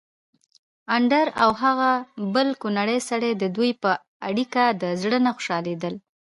اندړ او هغه بل کونړی سړی ددوی په اړېکه د زړه نه خوشحاليدل